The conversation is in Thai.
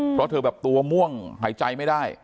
เพราะเธอแบบตัวม่วงหายใจไม่ได้